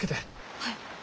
はい。